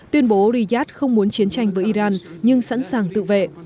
tuyên bố riyadh không muốn chiến tranh với iran nhưng sẵn sàng tự vệ